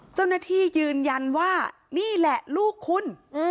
เจ้าหน้าที่ยืนยันว่านี่แหละลูกคุณ